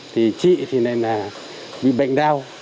thì chị thì bị bệnh đau